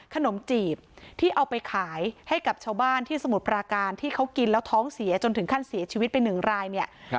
ขนมจีบที่เอาไปขายให้กับชาวบ้านที่สมุทรปราการที่เขากินแล้วท้องเสียจนถึงขั้นเสียชีวิตไปหนึ่งรายเนี่ย